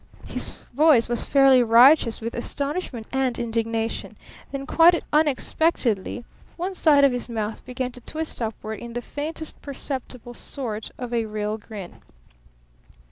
His voice was fairly riotous with astonishment and indignation. Then quite unexpectedly one side of his mouth began to twist upward in the faintest perceptible sort of a real grin.